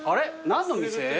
何の店？